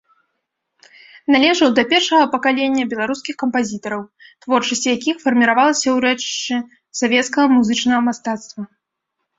Належаў да першага пакалення беларускіх кампазітараў, творчасць якіх фарміравалася ў рэчышчы савецкага музычнага мастацтва.